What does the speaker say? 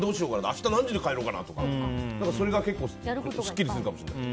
明日、何時に帰ろうかなとかそれが結構すっきりするかもしれない。